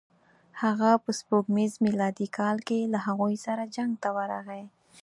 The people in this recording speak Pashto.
هغه په سپوږمیز میلادي کال کې له هغوی سره جنګ ته ورغی.